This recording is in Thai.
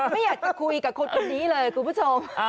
ไม่อยากจะคุยกับคนนี้เลยคุณผู้ชม